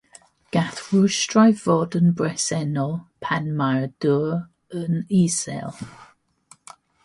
Gall rhwystrau fod yn bresennol pan mae'r dŵr yn isel.